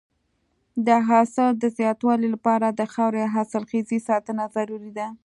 د حاصل د زیاتوالي لپاره د خاورې حاصلخېزۍ ساتنه ضروري ده.